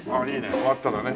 終わったらね。